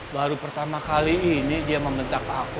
baru pertama kali ini dia membentak aku